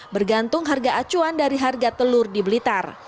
bergantung harga acuan dari harga telur di blitar